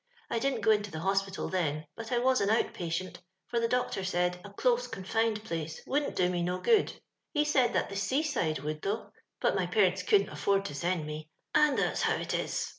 I didn't go into the hospital then, but I was an out patient, for the doctor said a •close confined place wovddn't do me no good. He said that the seaside would, though ; but my parents couldn't afford to send me, and that's how it is.